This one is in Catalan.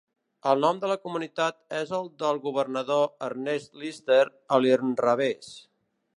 El nom de la comunitat és el del governador Ernest Lister, a l'inrevés.